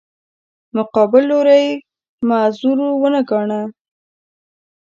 مقابل لوری یې معذور ونه ګاڼه.